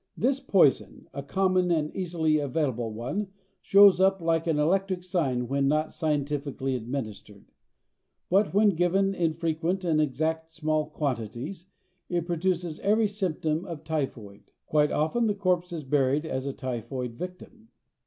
This poison, a common and easily available one shows up like an electric sign when not scientifically administered. But when given in frequent and exact small quantities it produces every symptom of typhoid. Quite often the corpse is buried as a typhoid victim.